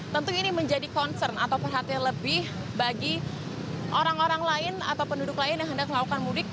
tentu ini menjadi concern atau perhatian lebih bagi orang orang lain atau penduduk lain yang hendak melakukan mudik